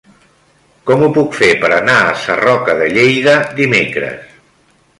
Com ho puc fer per anar a Sarroca de Lleida dimecres?